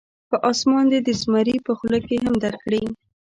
که اسمان دې د زمري په خوله کې هم درکړي.